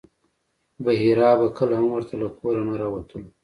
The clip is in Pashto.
بحیرا به کله هم ورته له کوره نه راوتلو.